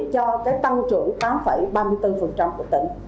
cho tăng trưởng tám ba mươi bốn của tỉnh